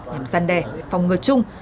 nhằm giăn đè phòng ngừa chung